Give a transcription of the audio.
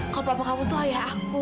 kalau bapak kamu tuh ayah aku